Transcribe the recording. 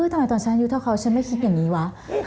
ทำไมตอนฉันอายุเท่าเขาฉันไม่คิดอย่างนี้วะ